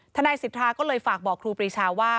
ทนายสิทธาก็เลยฝากบอกครูปรีชาว่า